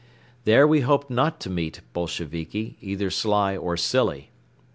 There we hoped not to meet Bolsheviki, either sly or silly.